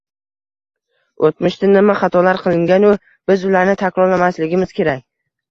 «o‘tmishda nima xatolar qilingan-u, biz ularni takrorlamasligimiz kerak?»